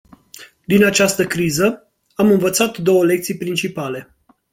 Din această criză, am învățat două lecții principale.